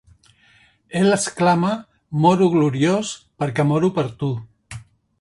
El exclama: Moro gloriós perquè moro per tu!